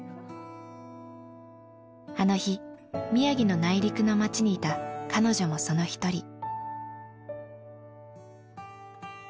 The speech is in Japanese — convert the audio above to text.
あの日宮城の内陸の町にいた彼女もその一人。